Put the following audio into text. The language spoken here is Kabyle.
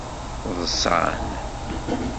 Ḍṣan.